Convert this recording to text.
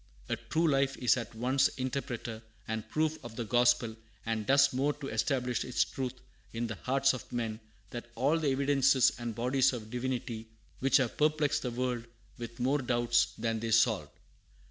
A true life is at once interpreter and proof of the gospel, and does more to establish its truth in the hearts of men than all the "Evidences" and "Bodies of Divinity" which have perplexed the world with more doubts than they solved.